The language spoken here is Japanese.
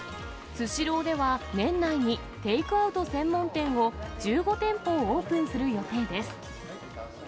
スシローでは年内に、テイクアウト専門店を１５店舗オープンする予定です。